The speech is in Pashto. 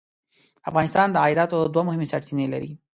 افغانستان د عایداتو دوه مهمې سرچینې لري.